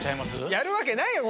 やるわけないよ！